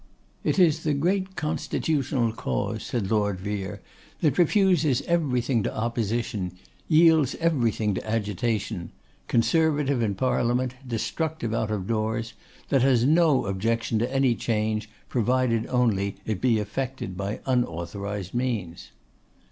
'It is the great constitutional cause,' said Lord Vere, 'that refuses everything to opposition; yields everything to agitation; conservative in Parliament, destructive out of doors; that has no objection to any change provided only it be effected by unauthorised means.